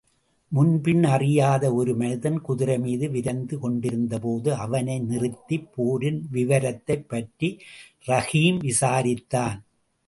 முன்பின் அறியாத ஒரு மனிதன் குதிரை மீது விரைந்து கொண்டிருந்தபோது, அவனை நிறுத்திப்போரின் விவரத்தைப்பற்றி ரஹீம் விசாரித்தான்.